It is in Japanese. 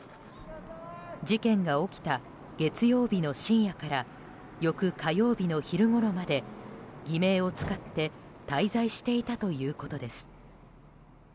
事件が起きた月曜日の深夜から翌火曜日の昼ごろまで偽名を使って滞在していたということです。